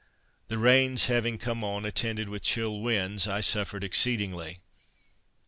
The rains having come on, attended with chill winds, I suffered exceedingly.